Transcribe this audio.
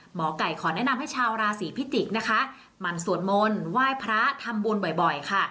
หมอไก่ขอแนะนำให้ชาวราศีพิจิกษ์นะคะหมั่นสวดมนต์ไหว้พระทำบุญบ่อยค่ะ